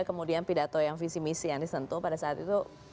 kemudian pidato yang visi misi yang disentuh pada saat itu